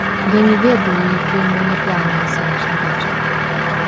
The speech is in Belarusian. Я не ведаю, якія ў мяне планы на сённяшні вечар.